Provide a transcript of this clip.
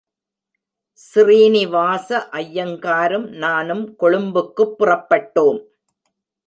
ஸ்ரீனிவாச ஐயங்காரும் நானும் கொழும்புக்குப் புறப்பட்டோம்.